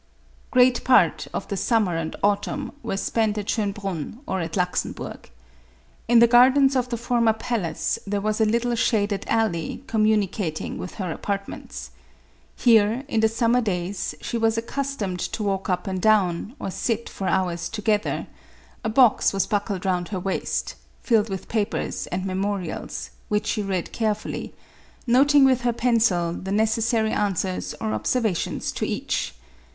Great part of the summer and autumn were spent at Schonbrunn, or at Lachsenburg. In the gardens of the former palace there was a little shaded alley, com municating with her apartments. Here, in the sum mer days, she was accustomed to walk up and down, or sit for hours together : a box was buckled round her waist, filled with papers and memorials, which she read carefully, noting with her pencil the necessary an swers or observations to each.